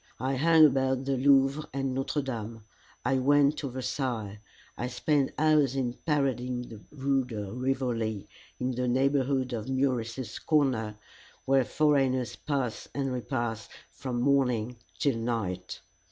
I hung about the Louvre and Notre Dame. I went to Versailles. I spent hours in parading the Rue de Rivoli, in the neighborhood of Meurice's corner, where foreigners pass and repass from morning till night.